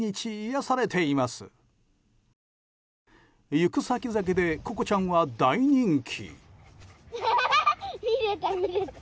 行く先々で瑚子ちゃんは大人気。